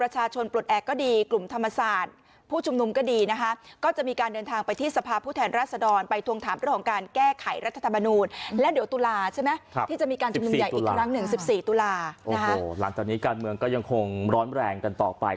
ที่จะมีการจึงหนึ่งใหญ่อีกรั้งหนึ่ง๑๔ตุลานะฮะโอ้โหหลังจากนี้การเมืองก็ยังคงร้อนแรงกันต่อไป